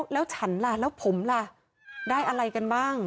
แล้วฉันล่ะแล้วผมล่ะได้อะไรกันบ้าง